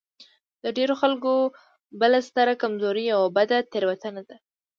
د ډېرو خلکو بله ستره کمزوري يوه بده تېروتنه ده.